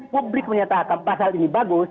publik menyatakan pasal ini bagus